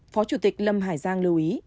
phó chủ tịch lâm hải giang lưu ý